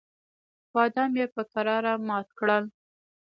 بادام یې په کراره مات کړل.